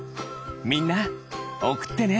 みんなおくってね！